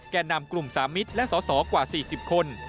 แก่นำกลุ่มสามิตรและสสกว่า๔๐คน